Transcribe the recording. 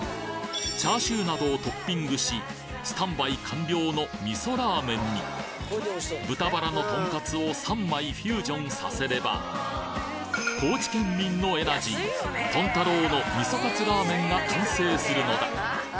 チャーシューなどをトッピングしスタンバイ完了のみそラーメンに豚バラのトンカツを３枚フュージョンさせれば高知県民のエナジー豚太郎のが完成するのだ！